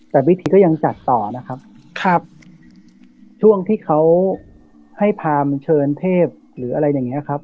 แต่วิธีก็ยังจัดต่อนะครับครับช่วงที่เขาให้พามันเชิญเทพหรืออะไรอย่างเงี้ยครับ